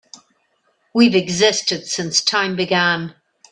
We've existed since time began.